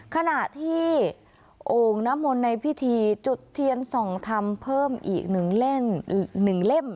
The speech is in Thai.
ขณะที่องค์นมลในพิธีจุดเทียนสองธรรมเพิ่มอีกหนึ่งเล่ม